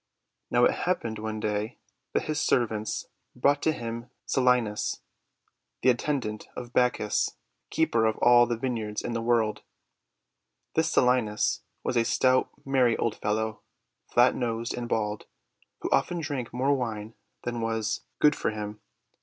Now it happened, one day, that his servants brought to him Silenus, the attendant of Bacchus, Keeper of All the Viney ards in the World . This Silenus was a stout, merry old fellow, flat nosed and bald, who often drank more wine than was 276 THE WONDER GARDEN good for him.